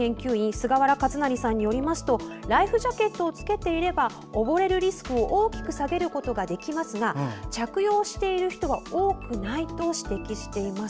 菅原一成さんによりますとライフジャケットを着けていれば溺れるリスクを大きく下げることができますが着用している人は多くないと指摘しています。